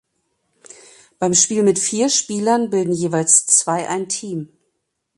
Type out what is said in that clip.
Beim Spiel mit vier Spielern bilden jeweils zwei ein Team.